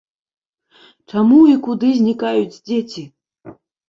Чаму і куды знікаюць дзеці?